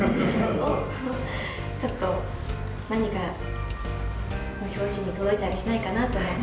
ちょっと何かの拍子に届いたりしないかなと思って。